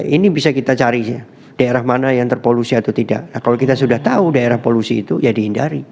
ini bisa kita cari daerah mana yang terpolusi atau tidak kalau kita sudah tahu daerah polusi itu ya dihindari